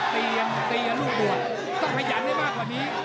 ตีกับลูกตัวต้องพยายามได้มากกว่านี้